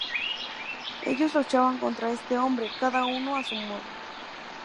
Ellos luchaban contra este hombre, cada uno a su modo.